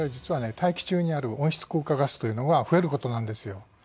大気中にある温室効果ガスというのが増えることなんですよ。